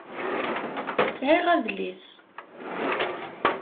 Sɛiɣ adlis